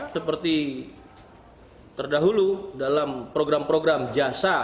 seperti terdahulu dalam program program jasa